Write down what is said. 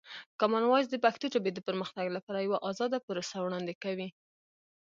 کامن وایس د پښتو ژبې د پرمختګ لپاره یوه ازاده پروسه وړاندې کوي.